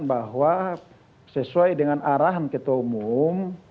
bahwa sesuai dengan arahan ketua umum